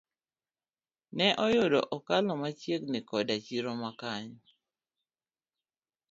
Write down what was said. Ne oyudo okalo machiegni koda chiro ma kanyo.